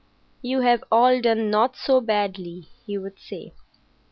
"You have all done not so badly," he would say.